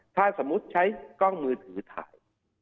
ถ้าสมมุติใช้กล้องมือถือถ่าย